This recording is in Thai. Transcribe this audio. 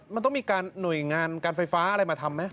มันต้องมีการหน่วยงานการไฟฟ้าอะไรมาทำไหม